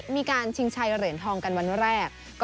มีการศิงแชยเหรียญทองกันวันแรก